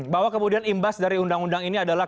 bahwa kemudian imbas dari undang undang ini adalah